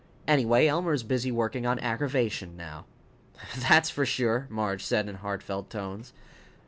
Anyway, Elmer is busy working on aggravation now." "That's for sure!" Marge said in heartfelt tones.